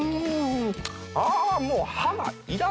あもう歯がいらない。